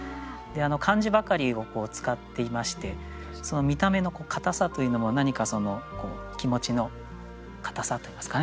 漢字ばかりを使っていましてその見た目の硬さというのも何かその気持ちの硬さといいますかね。